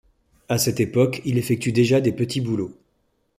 À cette époque, il effectue déjà des petits boulots.